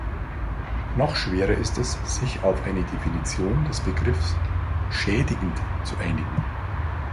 Noch schwerer ist es, sich auf eine Definition des Begriffs "schädigend" zu einigen.